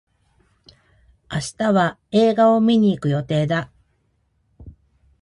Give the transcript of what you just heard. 明日は映画を観に行く予定だ。